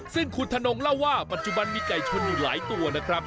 ซึ่งคุณธนงเล่าว่าปัจจุบันมีไก่ชนอยู่หลายตัวนะครับ